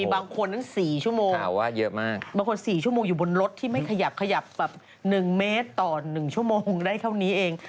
บางคน๔ชั่วโมงอยู่บนรถที่ไม่ขยับ๑เมตรต่อ๑ชั่วโมงได้เท่านี้เอง